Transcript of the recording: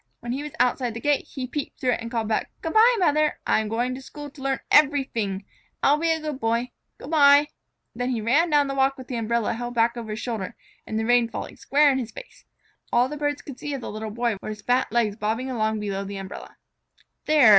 When he was outside the gate, he peeped through it and called back: "Good by, Mother! I'm going to school to learn everyfing. I'll be a good Boy. Good by!" Then he ran down the walk with the umbrella held back over his shoulder and the rain falling squarely in his face. All that the birds could see of the Little Boy then was his fat legs bobbing along below the umbrella. "There!"